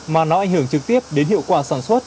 mà nó ảnh hưởng trực tiếp đến hiệu quả sản xuất